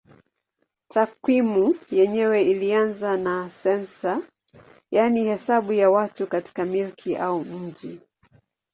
Takwimu yenyewe ilianza na sensa yaani hesabu ya watu katika milki au mji.